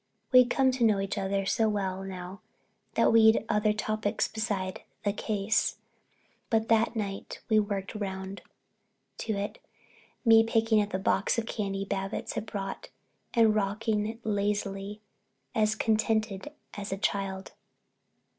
We'd come to know each other so well now that we'd other topics beside "the case," but that night we worked around to it, me picking at the box of candy Babbitts had brought and rocking lazily as contented as a child.